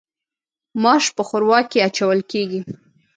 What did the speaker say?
ماش په ښوروا کې اچول کیږي.